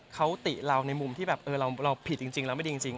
เขาติเราในมุมที่แบบเราผิดจริงแล้วไม่ดีจริง